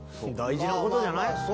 大事なことじゃない？